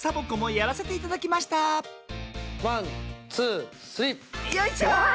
よいしょ！